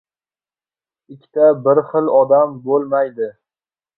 • Ikkita bir xil odam bo‘lmaydi.